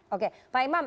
oke pak imam